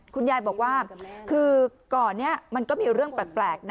คุณยายบอกว่าคือก่อนนี้มันก็มีเรื่องแปลกนะ